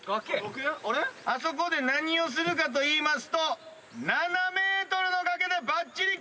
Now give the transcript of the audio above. あそこで何をするかといいますと７ｍの崖でバッチリキメろ！